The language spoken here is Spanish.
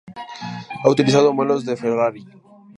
Ha utilizado modelos de Ferrari.